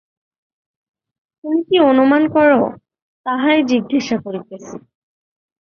তুমি কি অনুমান কর, তাহাই জিজ্ঞাসা করিতেছি।